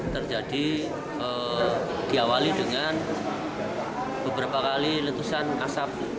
terjadi diawali dengan beberapa kali letusan asap